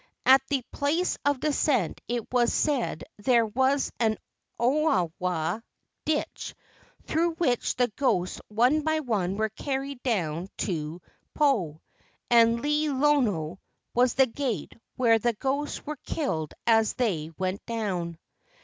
At the place of descent it was said there was an owawa (ditch) through which the ghosts one by one were carried down to Po, and Lei lono was the gate where the ghosts were killed as they went down.